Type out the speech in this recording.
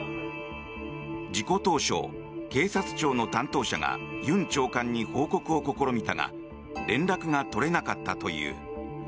事故当初、警察庁の担当者がユン長官に報告を試みたが連絡が取れなかったという。